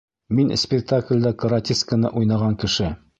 Мин спектаклдә каратистканы уйнаған кеше!